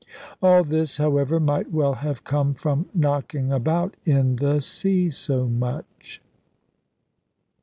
All this, however, might well have come from knocking about in the sea so much.